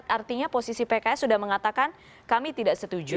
artinya posisi pks sudah mengatakan kami tidak setuju